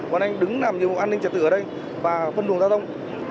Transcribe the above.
bọn anh đứng làm như một an ninh trật tự ở đây và phân đường giao dông